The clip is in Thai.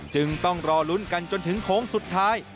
จึงต้องรอลุ้นกันจนถึงโค้งสุดท้าย